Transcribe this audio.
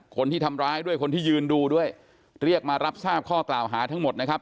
คนที่ทำร้ายด้วยคนที่ยืนดูด้วยเรียกมารับทราบข้อกล่าวหาทั้งหมดนะครับ